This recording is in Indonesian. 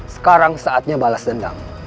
sekarang saatnya balas dendam